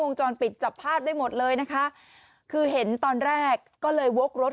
จรปิดจับภาพได้หมดเลยนะคะคือเห็นตอนแรกก็เลยวกรถ